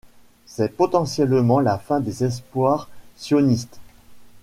C'est potentiellement la fin des espoirs sionistes.